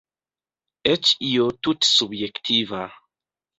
Eĉ io tute subjektiva.